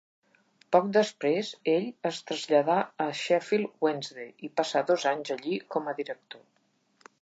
Poc després, ell es traslladà a Sheffield Wednesday i passà dos anys allí com a director.